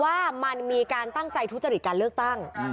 ว่ามันมีการตั้งใจทุจริตการเลือกตั้ง